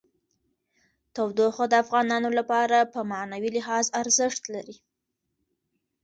تودوخه د افغانانو لپاره په معنوي لحاظ ارزښت لري.